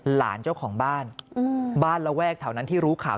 หลานเจ้าของบ้านบ้านระแวกแถวนั้นที่รู้ข่าว